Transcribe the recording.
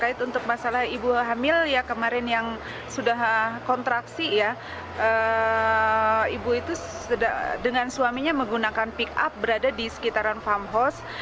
ibu itu dengan suaminya menggunakan pick up berada di sekitaran farmhouse